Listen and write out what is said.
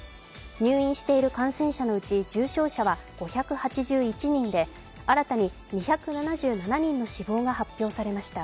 入院している感染者のうち重症者は５８１人で新たに２７７人の死亡が発表されました。